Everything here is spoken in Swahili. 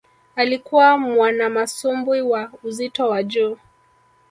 Alikuwa mwanamasumbwi wa uzito wa juu